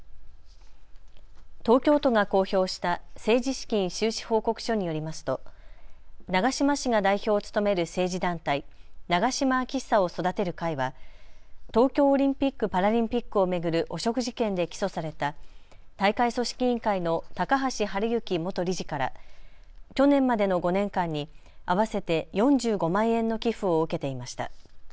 東京都が公表した政治資金収支報告書によりますと長島氏が代表を務める政治団体、長島昭久を育てる会は東京オリンピック・パラリンピックを巡る汚職事件で起訴された大会組織委員会の高橋治之元理事から去年までの５年間に合わせて４５万円の寄付を受けていました。